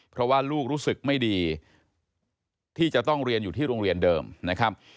เพราะว่าลูกรู้สึกไม่ดีที่จะต้องเรียนอยู่ที่โรงเรียนเดิมนะครับ